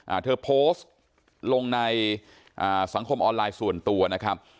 อ่าเธอโพสต์ลงในอ่าสังคมออนไลน์ส่วนตัวนะครับ